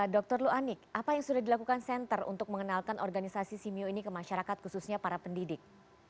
dr luanik apa yang sudah dilakukan center untuk mengenalkan organisasi simo ini ke masyarakat khususnya para pendidik